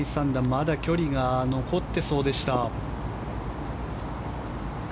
まだ距離が残ってそうでした。